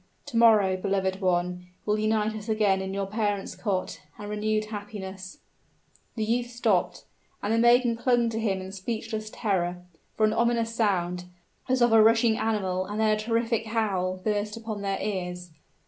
Tomorrow, beloved one, will unite us again in your parents' cot, and renewed happiness " The youth stopped, and the maiden clung to him in speechless terror: for an ominous sound, as of a rushing animal and then a terrific howl, burst upon their ears!